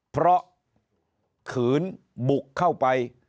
เพราะขืนบุกเข้าไป